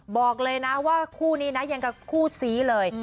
บอกเลยนะว่าคู่นี้นะยังกับคู่ซีเลย